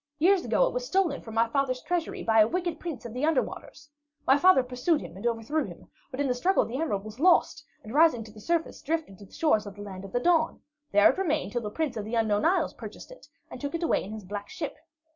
"Years ago it was stolen from my father's treasury by a wicked Prince of the Under Waters. My father pursued him and overthrew him, but in the struggle the emerald was lost, and rising to the surface, drifted to the shores of the Land of the Dawn. There it remained till the Prince of the Unknown Isles purchased it and took it away in his black ship.